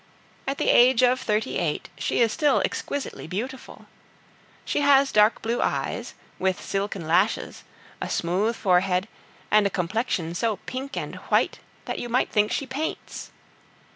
At the age of thirty eight she is still exquisitely beautiful. She has dark blue eyes, with silken lashes, a smooth forehead, and a complexion so pink and white that you might think she paints.